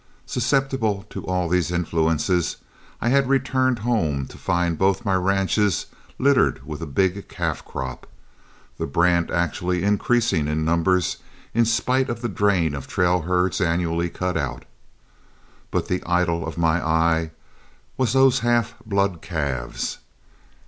Susceptible to all these influences, I had returned home to find both my ranches littered with a big calf crop, the brand actually increasing in numbers in spite of the drain of trail herds annually cut out. But the idol of my eye was those half blood calves.